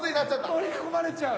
取り込まれちゃう！